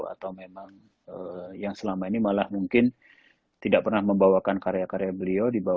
atau memang yang selama ini malah mungkin tidak pernah membawakan karya karya beliau